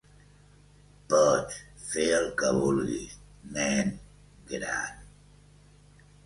Pots, fer el que vulguis, nen gran!